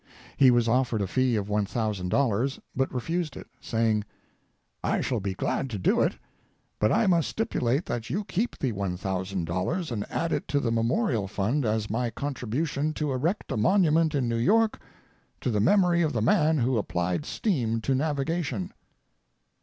He was offered a fee of $1,000, but refused it, saying: "I shall be glad to do it, but I must stipulate that you keep the $1,000, and add it to the Memorial Fund as my contribution to erect a monument in New York to the memory of the man who applied steam to navigation."